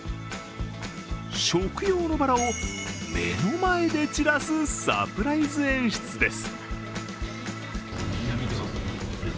食用のばらを目の前で散らすサプライズ演出です。